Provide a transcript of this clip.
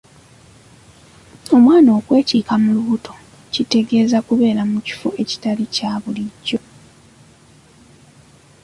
Omwana okwekiika mu lubuto kitegeeza kubeera mu kifo ekitali kya bulijjo.